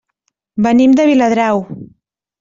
Venim de Viladrau.